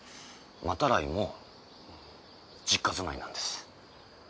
真鱈井も実家住まいなんです。